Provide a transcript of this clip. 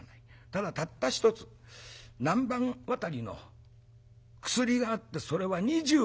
ただたった一つ南蛮渡りの薬があってそれは２０両だ。